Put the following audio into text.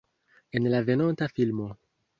En la venonta filmo.